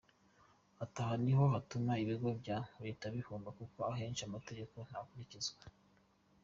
Ati ‘Aha ni ho hatuma ibigo bya Leta bihomba kuko akenshi amategeko ntakurikizwa.